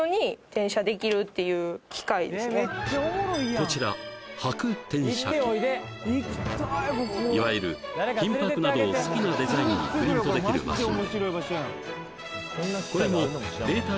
こちらいわゆる金箔などを好きなデザインにプリントできるマシン